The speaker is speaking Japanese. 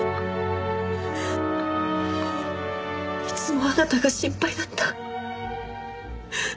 いつもあなたが心配だった。